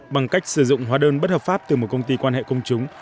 bằng cách sử dụng hóa đơn bất hợp pháp từ một công ty quan hệ công chúng